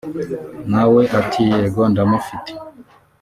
na we ati “Yego ndamufite”